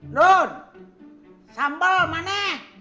nun sambel mana